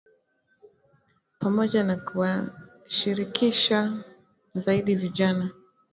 pamoja na kuwashirikisha zaidi vijana